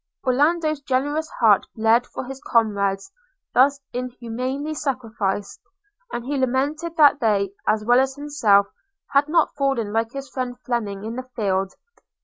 Orlando's generous heart bled for his comrades thus inhumanly sacrificed; and he lamented that they, as well as himself, had not fallen like his friend Fleming in the field.